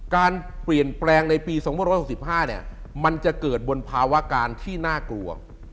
การเปลี่ยนแปลงในปี๒๖๕เนี่ยมันจะเกิดบนภาวะการที่น่ากลัว